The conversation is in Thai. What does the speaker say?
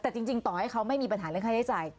แต่จริงต่อให้เขาไม่มีปัญหาเรื่องค่าใช้จ่าย